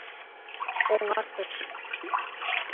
Оҥартыш.